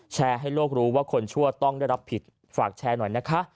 แชร์ให้โลกรู้ว่าคนชั่วต้องได้รับผิดฝากแชร์หน่อยนะคะ